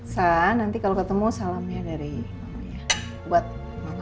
sa nanti kalau ketemu salamnya dari mamanya